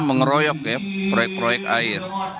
mengeroyok ya proyek proyek air